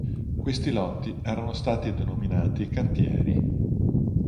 Questi lotti erano stati denominati “cantieri”.